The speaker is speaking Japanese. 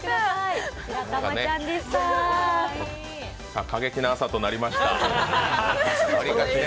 さあ、過激な朝となりました。